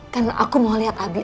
karena aku mau lihat abi